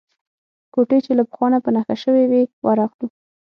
کوټې چې له پخوا نه په نښه شوې وې ورغلو.